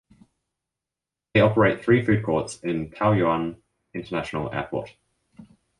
They operate three food courts in Taoyuan International Airport.